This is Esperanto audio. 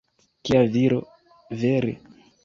Kia viro, vere!